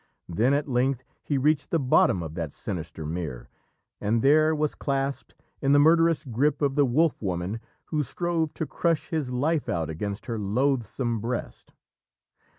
Then at length he reached the bottom of that sinister mere, and there was clasped in the murderous grip of the Wolf Woman who strove to crush his life out against her loathsome breast.